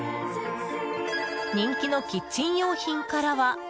人気のキッチン用品からは。